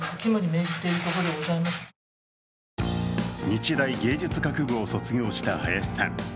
日大芸術学部を卒業した林さん。